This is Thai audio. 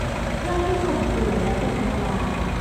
เพื่อนที่ข่มขู่และเป็นอันตราย